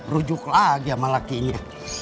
rujuk lagi sama lakinya